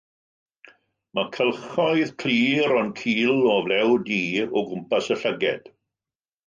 Mae cylchoedd clir ond cul o flew du o gwmpas y llygaid.